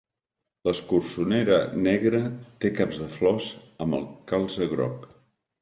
L'escurçonera negra té caps de flors amb el calze groc.